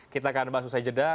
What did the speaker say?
kita akan bahas usai jeda